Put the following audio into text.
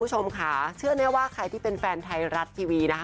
คุณผู้ชมค่ะเชื่อแน่ว่าใครที่เป็นแฟนไทยรัฐทีวีนะคะ